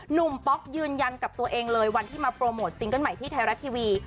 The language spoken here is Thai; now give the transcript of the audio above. ป๊อกยืนยันกับตัวเองเลยวันที่มาโปรโมทซิงเกิ้ลใหม่ที่ไทยรัฐทีวี